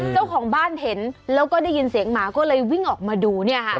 เจ้าของบ้านเห็นแล้วก็ได้ยินเสียงหมาก็เลยวิ่งออกมาดูเนี่ยค่ะ